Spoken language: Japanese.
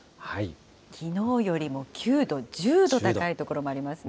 きのうよりも９度、１０度高い所もありますね。